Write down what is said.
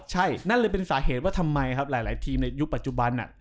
ใช่นั่นเลยเป็นสาเหตุว่าทำไมครับหลายทีมในยุคปัจจุบัน